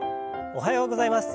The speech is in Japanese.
おはようございます。